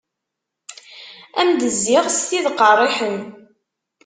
Ad m-d-zziɣ s tid qerriḥen.